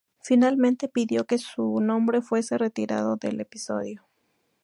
Finalmente pidió que su nombre fuese retirado del episodio.